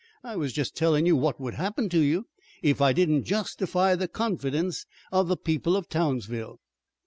I was jest tellin' you what would happen to you if I didn't justify the confidence of the people of Townsville."